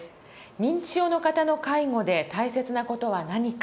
認知症の方の介護で大切な事は何か。